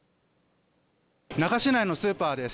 那覇市内のスーパーです。